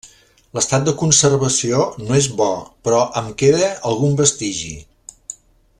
L'estat de conservació no és bo, però em queda algun vestigi.